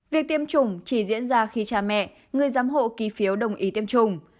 việc tiêm chủng chỉ diễn ra khi cha mẹ người giám hộ ký phiếu đồng ý tiêm chủng